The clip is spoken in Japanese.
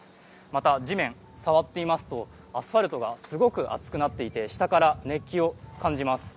また、地面を触ってみますとアスファルトがすごく熱くなっていて下から熱気を感じます。